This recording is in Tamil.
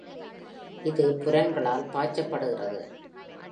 இது ஃபுரன்களால் பாய்ச்சப்படுகிறது.